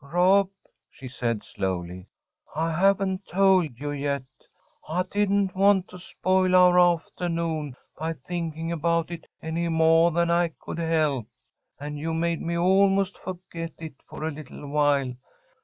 "Rob," she said, slowly, "I haven't told you yet. I didn't want to spoil our aftahnoon by thinking about it any moah than I could help, and you made me almost forget it for a little while.